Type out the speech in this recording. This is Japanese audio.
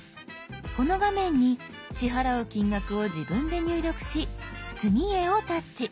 この画面に支払う金額を自分で入力し「次へ」をタッチ。